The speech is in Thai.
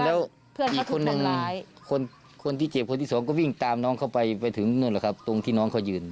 แล้วเขาก็